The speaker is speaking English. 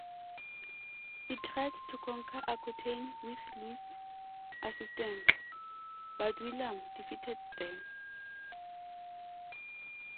He tried to conquer Aquitaine with Louis's assistance, but William defeated them.